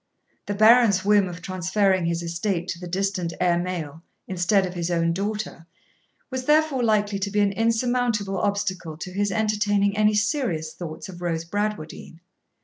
The Baron's whim of transferring his estate to the distant heir male, instead of his own daughter, was therefore likely to be an insurmountable obstacle to his entertaining any serious thoughts of Rose Bradwardine.